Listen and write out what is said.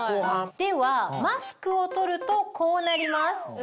ではマスクを取るとこうなります。